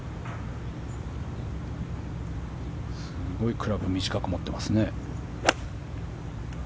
すごいクラブを短く持ってますね。